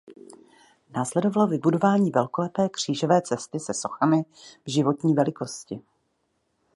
Následovalo vybudování velkolepé křížové cesty se sochami v životní velikosti.